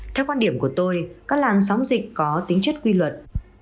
theo quan điểm của tôi các làn sóng dịch có tính chất quy luật